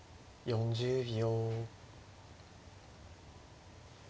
４０秒。